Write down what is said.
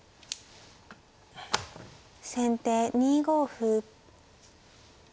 先手２五歩。